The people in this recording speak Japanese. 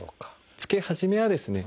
着け始めはですね